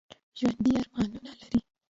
ژوندي ارمانونه لري